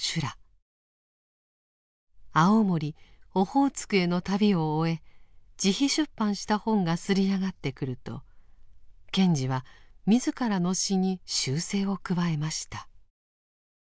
青森オホーツクへの旅を終え自費出版した本が刷り上がってくると賢治は自らの詩に修正を加えました。